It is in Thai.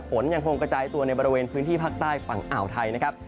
ฝนยังคงกระจายตัวในบริเวณพื้นที่ภาคใต้ฝั่งอ่าวไทยนะครับ